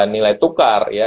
nilai tukar ya